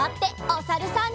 おさるさん。